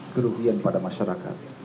keruhian pada masyarakat